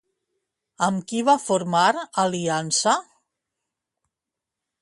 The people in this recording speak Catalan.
Amb qui va formar aliança?